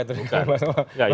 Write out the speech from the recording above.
itu yang kemarin